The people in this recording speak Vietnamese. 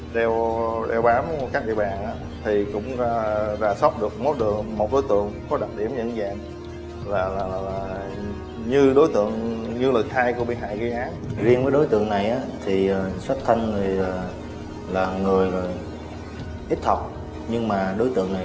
để đối tượng đứng trên đường